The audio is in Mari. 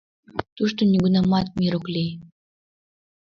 Тушто нигунамат мир ок лий!